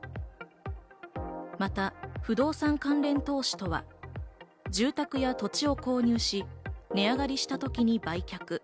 また不動産関連投資とは、住宅や土地を購入し、値上がりした時に売却。